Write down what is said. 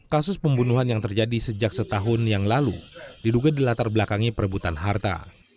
kasus pembunuhan yang terjadi sejak setahun yang lalu diduga di latar belakangnya perebutan harta